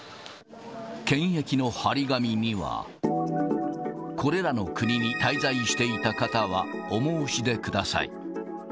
検疫の貼り紙には、これらの国に滞在していた方はお申し出ください。